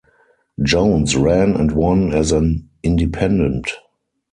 Jones ran and won as an independent.